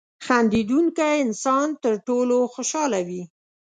• خندېدونکی انسان تر ټولو خوشحاله وي.